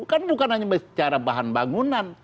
kan bukan hanya secara bahan bangunan